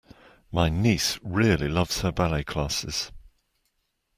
My niece really loves her ballet classes